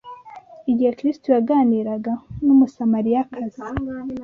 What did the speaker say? Igihe Kristo yaganiraga n’umusamariyakazi